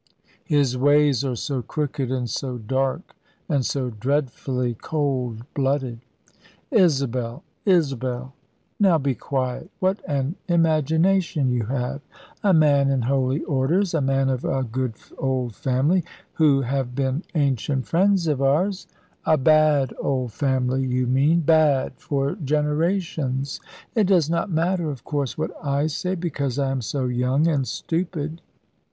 His ways are so crooked, and so dark, and so dreadfully cold blooded." "Isabel, Isabel, now be quiet. What an imagination you have! A man in holy orders, a man of a good old family, who have been ancient friends of ours " "A bad old family, you mean bad for generations. It does not matter, of course, what I say, because I am so young and stupid.